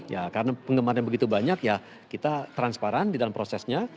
ya karena penggemarnya begitu banyak ya kita transparan di dalam prosesnya